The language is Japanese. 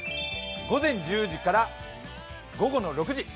午前１０時から午後の６時。